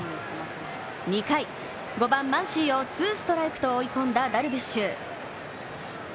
２回、５番・マンシーをツーストライクと追い込んだダルビッシュ。